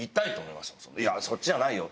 「いやそっちじゃないよ。